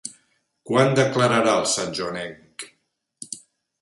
Quan declararà el santjoanenc?